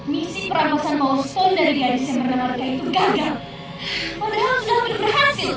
misi peramakan power stone dari anis yang bernama mereka itu gagal